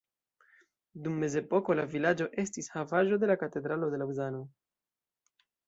Dum mezepoko la vilaĝo estis havaĵo de la katedralo de Laŭzano.